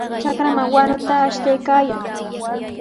Trakraman wanuta ashtaykaayan.